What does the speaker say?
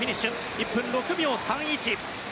１分６秒３１。